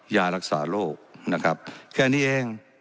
ยารักษาโรคนะครับแค่นี้เอง